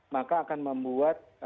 maka akan membuat